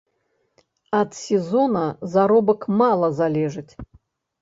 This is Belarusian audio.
Ад сезона заробак мала залежыць.